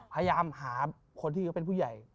พยายามหาคนที่เขาเป็นผู้ใหญ่